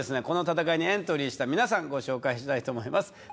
この戦いにエントリーした皆さんご紹介したいと思います